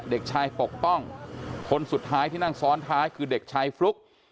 เด็กชายปกป้องคนสุดท้ายที่นั่งซ้อนท้ายคือเด็กชายฟลุ๊ก